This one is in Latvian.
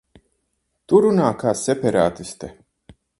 Tu runā kā separātiste.